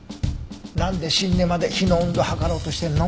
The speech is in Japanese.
なんで死んでまで火の温度を測ろうとしてるの？